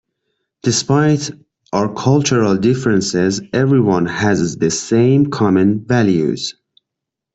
Despite our cultural differences everyone has the same common values.